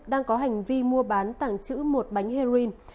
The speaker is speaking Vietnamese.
đang có hành vi mua bán tảng chữ một bánh heroin